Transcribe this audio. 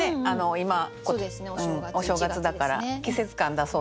今お正月だから季節感出そうと思って。